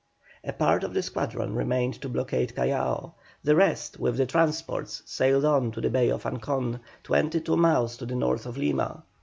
A part of the squadron remained to blockade Callao, the rest, with the transports, sailed on to the Bay of Ancon, twenty two miles to the north of Lima.